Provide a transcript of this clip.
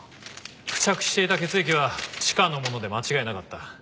付着していた血液はチカのもので間違いなかった。